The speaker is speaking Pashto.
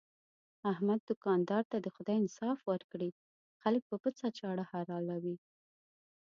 احمد دوکاندار ته دې خدای انصاف ورکړي، خلک په پڅه چاړه حلالوي.